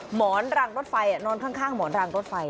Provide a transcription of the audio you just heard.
หมอนรางรถไฟนอนข้างหมอนรางรถไฟ